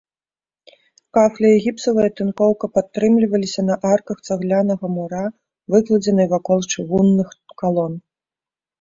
Кафля і гіпсавая тынкоўка падтрымліваліся на арках цаглянага мура, выкладзенай вакол чыгунных калон.